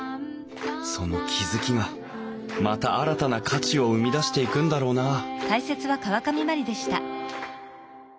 その気付きがまた新たな価値を生み出していくんだろうなあ